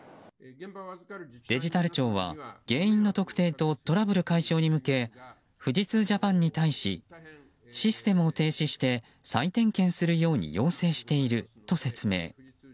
デジタル庁は原因の特定とトラブル解消に向け富士通Ｊａｐａｎに対しシステムを停止して再点検するように要請していると説明。